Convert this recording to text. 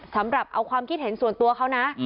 สำหรับเอาความคิดเห็นส่วนตัวเขานะ